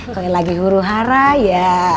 kalau lagi huru hara ya